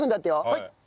はい。